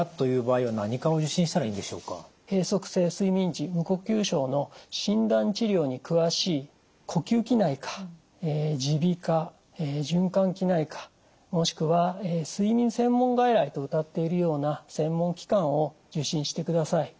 閉塞性睡眠時無呼吸症の診断治療に詳しい呼吸器内科耳鼻科循環器内科もしくは睡眠専門外来とうたっているような専門機関を受診してください。